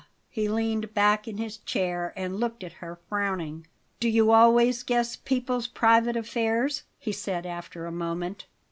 He leaned back in his chair and looked at her, frowning. "Do you always guess people's private affairs?" he said after a moment.